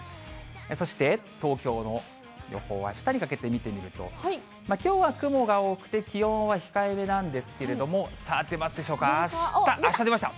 そして、東京の予報をあしたにかけて見てみると、きょうは雲が多くて、気温は控えめなんですけれども、さあ、出ますでしょうか、あした、あした出ました。